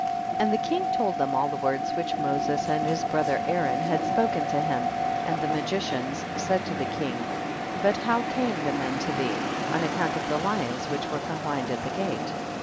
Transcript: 28. And the king told them all the words which Moses and his bro ther Aaron had spoken to him, and the magicians said to the king, but how came the men to thee, on account of the lions which were confined at the gate